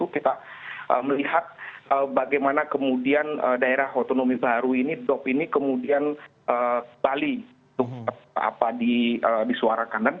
kita melihat bagaimana kemudian daerah otonomi baru ini dop ini kemudian kembali di suara kanan